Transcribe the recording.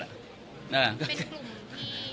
เป็นกลุ่มที่